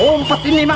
gue ngumpet ini mah